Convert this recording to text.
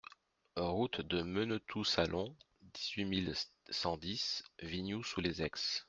Route de Menetou-Salon, dix-huit mille cent dix Vignoux-sous-les-Aix